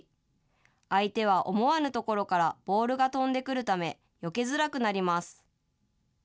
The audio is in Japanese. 相手は思わぬ所からボールが飛んでくるため、よけづらくなります。